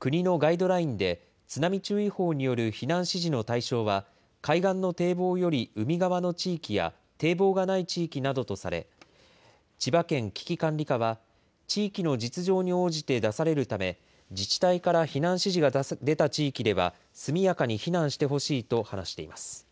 国のガイドラインで津波注意報による避難指示の対象は、海岸の堤防より海側の地域や、堤防がない地域などとされ、千葉県危機管理課は、地域の実情に応じて出されるため、自治体から避難指示が出た地域では、速やかに避難してほしいと話しています。